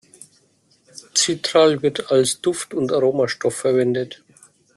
Citral wird als Duft- und Aromastoff verwendet.